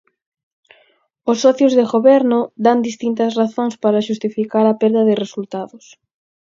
Os socios de Goberno dan distintas razóns para xustificar a perda de resultados.